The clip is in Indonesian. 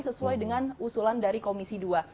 sesuai dengan usulan dari komisi dua